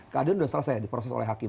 keadaan sudah selesai diproses oleh hakim